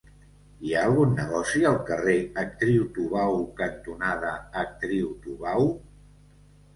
Hi ha algun negoci al carrer Actriu Tubau cantonada Actriu Tubau?